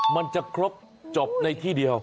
มันจะครบจบในที่เดียว